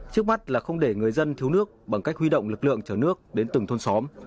trước mắt là không để người dân thiếu nước bằng cách huy động lực lượng chở nước đến từng thôn xóm